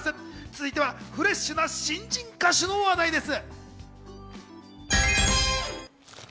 続いては、フレッシュな新人歌手の話題です。